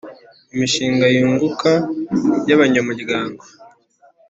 imishinga yunguka y abanyamuryango